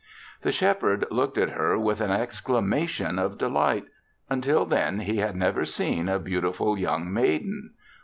The Shepherd looked at her with an exclamation of delight; until then he had never seen a beautiful young maiden.